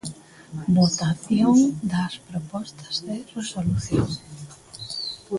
Votación das propostas de resolución.